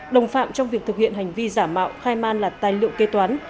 đồng phạm trong việc thực hiện hành vi giả mạo khai man là tài liệu kế toán